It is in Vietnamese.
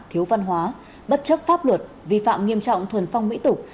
thiếu văn hóa bất chấp pháp luật vi phạm nghiêm trọng thuần phong mỹ tục